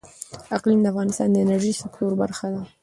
اقلیم د افغانستان د انرژۍ سکتور برخه ده.